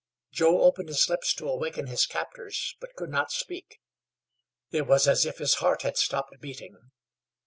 Joe opened his lips to awaken his captors, but could not speak; it was as if his heart had stopped beating.